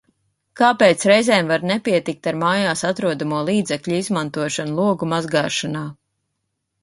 Kāpēc reizēm var nepietikt ar mājās atrodamo līdzekļu izmantošanu logu mazgāšanā?